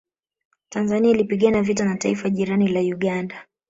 Tanzania ilipigana vita na taifa jirani la Uganda